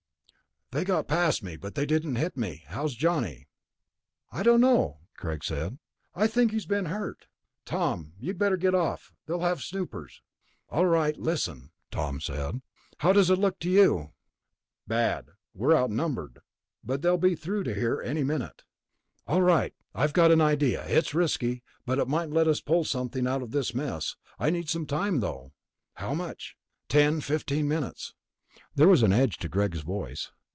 "They got past me, but they didn't hit me. How's Johnny?" "I don't know," Greg said. "I think he's been hurt. Tom, you'd better get off, they'll have snoopers...." "All right, listen," Tom said. "How does it look to you?" "Bad. We're outnumbered, they'll be through to here any minute." "All right, I've got an idea. It's risky, but it might let us pull something out of this mess. I'll need some time, though." "How much?" "Ten, fifteen minutes." There was an edge to Greg's voice.